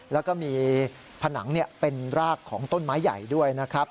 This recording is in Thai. แล้วก็มีผนังเป็นรากของต้นไม้ใหญ่ด้วยนะครับ